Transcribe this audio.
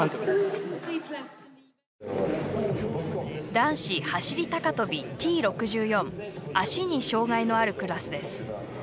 男子走り高跳び、Ｔ６４足に障がいのあるクラスです。